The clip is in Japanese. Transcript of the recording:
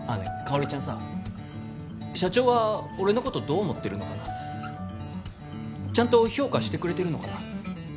ほりちゃんさ社長は俺のことどう思ってるのかなちゃんと評価してくれてるのかな